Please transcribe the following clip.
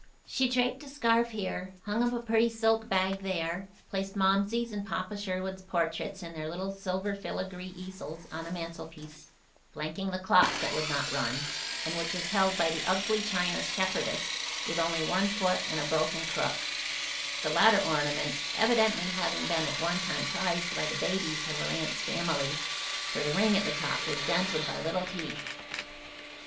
She draped a scarf here, hung up a pretty silk bag there, placed Momsey's and Papa Sherwood's portraits in their little silver filigree easels on the mantelpiece, flanking the clock that would not run and which was held by the ugly china shepherdess with only one foot and a broken crook, the latter ornament evidently having been at one time prized by the babies of her aunt's family, for the ring at the top was dented by little teeth.